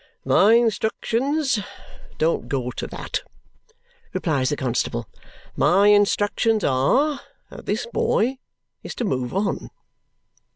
"My instructions don't go to that," replies the constable. "My instructions are that this boy is to move on."